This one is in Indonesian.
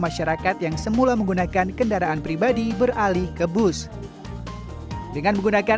masyarakat yang semula menggunakan kendaraan pribadi beralih ke bus dengan menggunakan